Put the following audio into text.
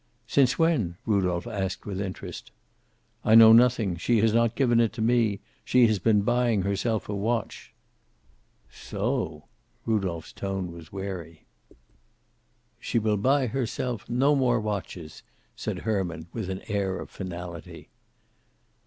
"Since when?" Rudolph asked with interest. "I know nothing. She has not given it to me. She has been buying herself a watch." "So!" Rudolph's tone was wary. "She will buy herself no more watches," said Herman, with an air of finality.